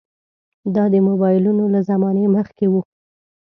دا د موبایلونو له زمانې مخکې وو.